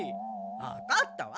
わかったわ。